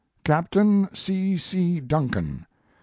Captain C. C. Duncan.